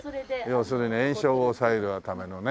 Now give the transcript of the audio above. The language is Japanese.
要するに延焼を抑えるためのね。